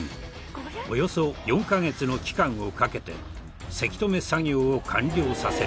およそ４カ月の期間をかけてせき止め作業を完了させる。